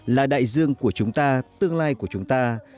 là đại dương của chúng ta tương lai của chúng ta